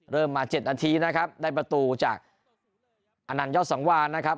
เริ่มมา๗นาทีนะครับได้ประตูจากอันนัสสนาบดีตาน๒วันนะครับ